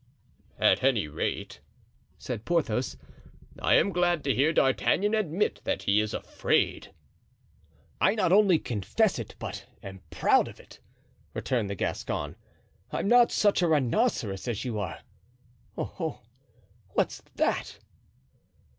"At any rate," said Porthos, "I am glad to hear D'Artagnan admit that he is afraid." "I not only confess it, but am proud of it," returned the Gascon; "I'm not such a rhinoceros as you are. Oho! what's that?"